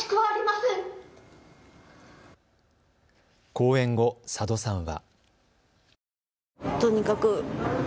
講演後、佐戸さんは。